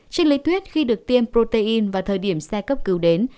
trên lý thuyết khi được tiêm protein vào thời điểm xe cấp cứu đến